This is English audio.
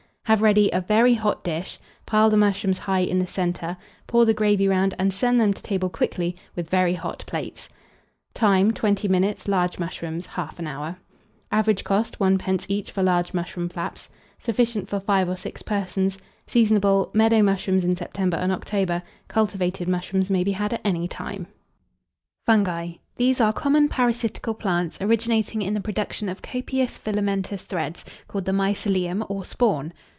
Have ready a very hot dish, pile the mushrooms high in the centre, pour the gravy round, and send them to table quickly, with very hot plates. Time. 20 minutes; large mushrooms, 1/2 hour. Average cost, 1d. each for large mushroom flaps. Sufficient for 5 or 6 persons. Seasonable. Meadow mushrooms in September and October; cultivated mushrooms may be had at any time. FUNGI. These are common parasitical plants, originating in the production of copious filamentous threads, called the mycelium, or spawn.